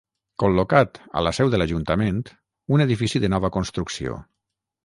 Col·locat a la seu de l'Ajuntament, un edifici de nova construcció.